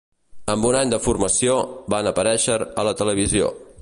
Amb un any de formació, van aparèixer a la televisió.